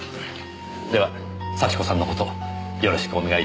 では幸子さんの事よろしくお願い致します。